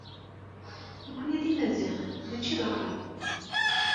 Nekkni d Imaziɣen mačči d Aɛraben!